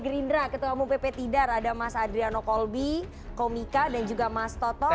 gerindra ketua umum pp tidar ada mas adriano kolbi komika dan juga mas toto